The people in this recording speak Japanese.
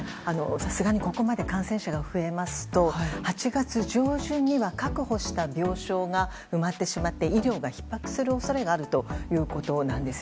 さすがにここまで感染者が増えますと８月上旬には、確保した病床が埋まってしまって医療がひっ迫する恐れがあるということなんです。